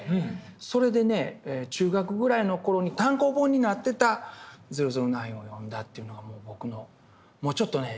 それでね中学ぐらいの頃に単行本になってた「００９」を読んだというのが僕のもうちょっとね